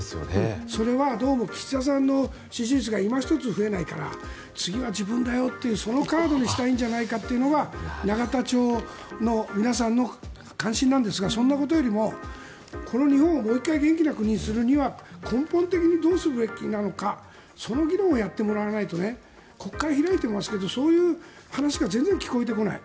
それはどうも岸田さんの支持率がいま一つ増えないから次は自分だよというそのカードにしたいんじゃないかというのが永田町の皆さんの関心なんですがそんなことよりもこの日本をもう１回元気な国にするためには根本的にどうするべきなのかその議論をやってもらわないと国会、開いてますがそういう話が全然聞こえてこない